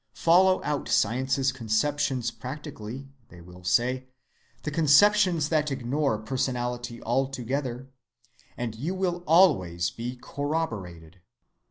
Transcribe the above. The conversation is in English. Follow out science's conceptions practically, they will say, the conceptions that ignore personality altogether, and you will always be corroborated.